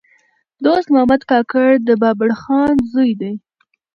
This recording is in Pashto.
دوست محمد کاکړ د بابړخان زوی دﺉ.